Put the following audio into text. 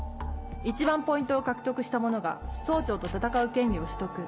一番ポイントを獲得した者が総長と戦う権利を取得。